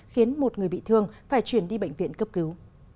khiến một người bị thương phải chuyển đi bệnh viện cấp cứu